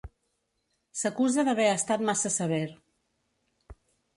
S'acusa d'haver estat massa sever.